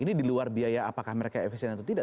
ini di luar biaya apakah mereka efisien atau tidak